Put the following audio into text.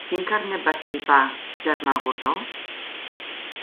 Quin carnet va estripar Germà Gordó?